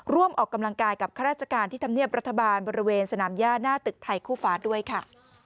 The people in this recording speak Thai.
ร่วมออกกำลังกายกับข้าราชการที่ธรรมเนียบรัฐบาลบริเวณสนามย่าหน้าตึกไทยคู่ฟ้าด้วยค่ะ